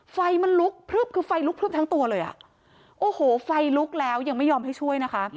ไฟมันลุกพลึบคือไฟลุกพลึบทั้งตัวเลยอ่ะโอ้โหไฟลุกแล้วยังไม่ยอมให้ช่วยนะคะ